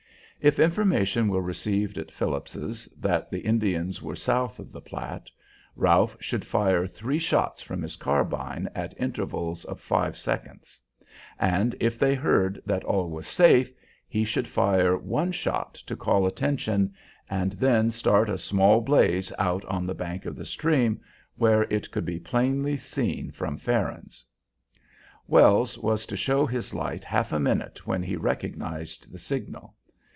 If information were received at Phillips's that the Indians were south of the Platte, Ralph should fire three shots from his carbine at intervals of five seconds; and if they heard that all was safe, he should fire one shot to call attention and then start a small blaze out on the bank of the stream, where it could be plainly seen from Farron's. Wells was to show his light half a minute when he recognized the signal.